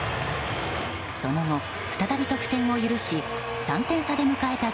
その後、再び得点を許し３点差で迎えた